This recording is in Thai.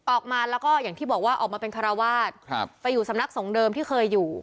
ออกมาแล้วก็อย่างที่บอกว่าออกมาเป็นคาราวาสไปอยู่สำนักสงฆ์เดิมที่เคยอยู่